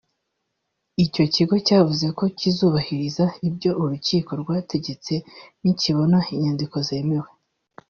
Icyo kigo cyavuze ko kizubahiriza ibyo urukiko rwategetse nikibona inyandiko zemewe